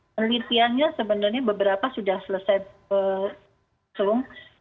penelitiannya sebenarnya beberapa sudah selesai berlangsung